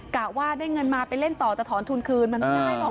กะว่าได้เงินมาไปเล่นต่อจะถอนทุนคืนมันไม่ได้หรอก